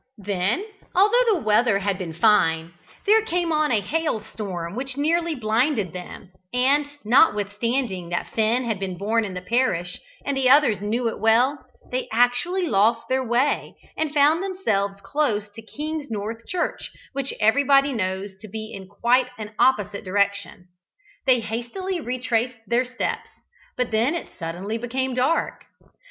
Then, although the weather had been fine, there came on a hailstorm which nearly blinded them, and, notwithstanding that Finn had been born in the parish and the others knew it well, they actually lost their way, and found themselves close to Kingsnorth Church, which everybody knows to be in quite an opposite direction. They hastily retraced their steps, but then it suddenly became dark.